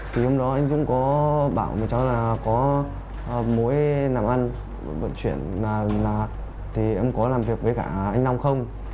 thì hôm đó anh dũng có bảo cháu là có mối làm ăn vận chuyển là thì em có làm việc với cả anh long không